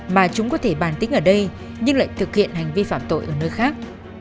mà chúng có thể bàn tính ở đây nhưng lại thực hiện hành vi phạm tội ở nơi khác